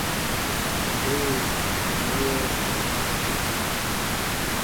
Ee, ŋ wóó.